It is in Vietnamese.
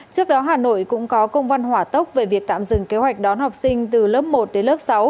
trước đó hà nội cũng có công văn hỏa tốc về việc tạm dừng kế hoạch đón học sinh từ lớp một đến lớp sáu